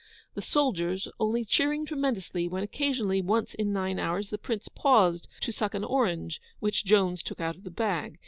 The soldiers only cheering tremendously, when occasionally, once in nine hours, the Prince paused to suck an orange, which Jones took out of the bag.